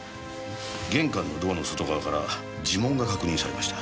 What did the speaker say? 玄関のドアの外側から耳紋が確認されました。